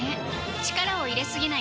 力を入れすぎない